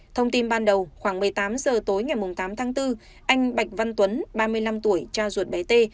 thông tin ban đầu khoảng một mươi tám h tối ngày tám tháng bốn anh bạch văn tuấn ba mươi năm tuổi cha ruột bé t